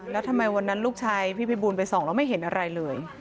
แล้วทำไมวันนั้นลูกชายพี่พิบูลไปส่องแล้วไม่เห็นอะไรเลย